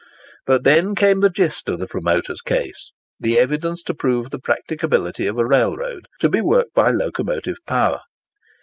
But then came the gist of the promoter's case—the evidence to prove the practicability of a railroad to be worked by locomotive power.